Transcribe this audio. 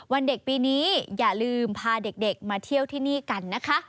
วันเด็กปีนี้อย่าลืมพาเด็กมาเที่ยวที่นี่กันนะคะ